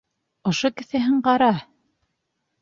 Ошо кеҫәһен ҡара!